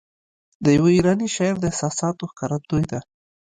د یوه ایراني شاعر د احساساتو ښکارندوی ده.